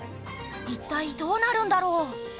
一体どうなるんだろう？